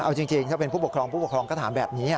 เอาจริงถ้าเป็นผู้ปกครองผู้ปกครองก็ถามแบบนี้